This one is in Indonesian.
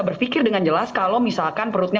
berpikir dengan jelas kalau misalkan perutnya